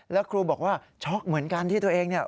แล้วครูบอกว่าช็อกเหมือนกันที่ตัวเองเนี่ย